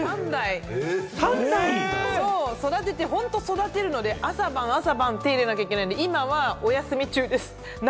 はい、３代育てて、本当に育てるので、朝晩、朝晩、手入れしなきゃいけなくて、今はお休み中です。